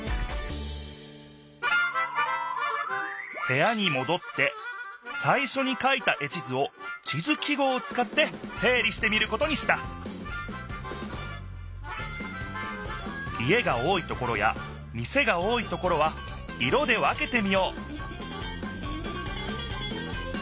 へやにもどってさいしょに書いた絵地図を地図記号をつかってせい理してみることにした家が多いところや店が多いところは色で分けてみよう！